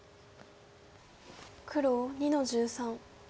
黒２の十三。